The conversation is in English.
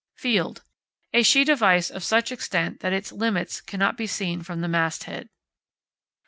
Field. A sheet of ice of such extent that its limits cannot be seen from the masthead.